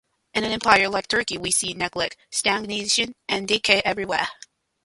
In an empire like Turkey we see neglect, stagnation, and decay everywhere.